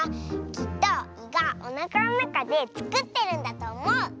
きっと「い」がおなかのなかでつくってるんだとおもう！